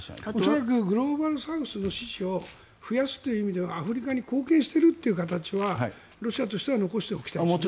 恐らくグローバルサウスの支持を増やすという意味ではアフリカに貢献しているという形はロシアとしては残しておきたいですよね。